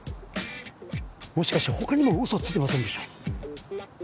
もしかして他にもうそついてませんでした？